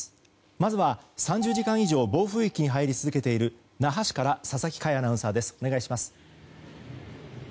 まず３０時間以上暴風域に入り続けている那覇市から佐々木快アナウンサーですお願いします。